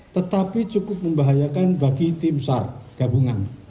tetapi cukup membahayakan bagi tim sar gabungan